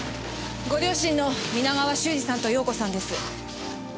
ご両親の皆川修二さんと容子さんです。